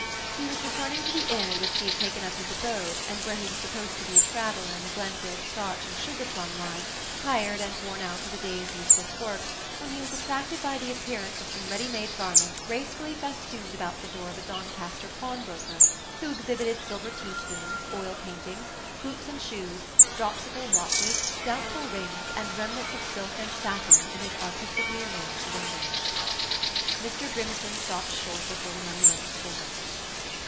He was returning to the inn at which he had taken up his abode, and where he was supposed to be a traveller in the Glenfield starch and sugar plum line, tired and worn out with a day's useless work, when he was attracted by the appearance of some ready made garments gracefully festooned about the door of a Doncaster pawnbroker, who exhibited silver teaspoons, oil paintings, boots and shoes, dropsical watches, doubtful rings, and remnants of silk and satin in his artistically arranged window. Mr. Grimstone stopped short before the money lender's portal.